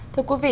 thưa quý vị